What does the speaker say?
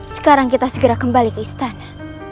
sekarang kita segera kembali ke istana